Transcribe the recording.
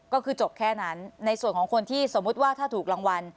ก็คือจบแค่นั้นในส่วนของคนที่สมมุติว่าถ้าถูกรางวัล